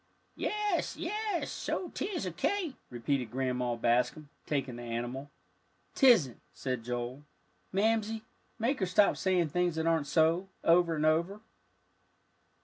"Yes, yes so 'tis a cake," repeated Grandma Bascom, taking the animal. "'Tisn't," said Joel. "Mamsie, make her stop saying things that aren't so, over and over."